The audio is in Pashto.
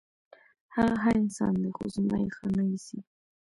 هغه ښه انسان دی، خو زما یې ښه نه ایسي.